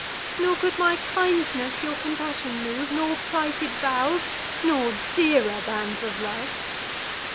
Nor could my kindness your compassion move. Nor plighted vows, nor dearer bands of love?